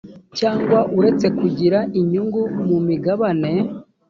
cyangwa uretse kugira inyungu mu migabane